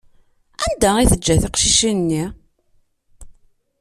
Anda i teǧǧa tiqcicin-nni?